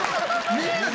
みんなで。